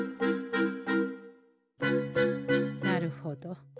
なるほど。